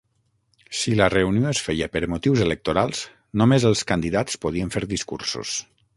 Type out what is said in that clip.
Si la reunió es feia per motius electorals, només els candidats podien fer discursos.